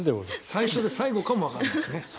最初で最後かもわからないですね。